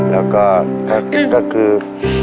แล้วก็ก็คือ